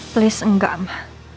please enggak ma